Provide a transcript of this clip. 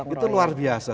itu luar biasa